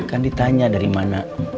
kan ditanya dari mana